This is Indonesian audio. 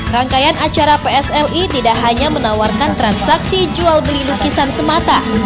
rangkaian acara psli tidak hanya menawarkan transaksi jual beli lukisan semata